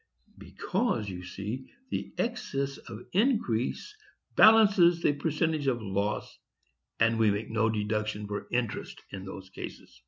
Because, you see, the excess of increase balances the percentage of loss, and we make no deduction for interest in those cases."